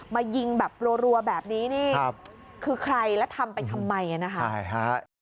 มายิงแบบรัวแบบนี้นี่คือใครแล้วทำไปทำไมนะคะ